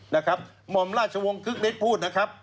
หม่อมราชวงศ์คึกฤทธิพูดนะครับ